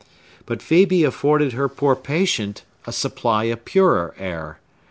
But Phœbe afforded her poor patient a supply of purer air.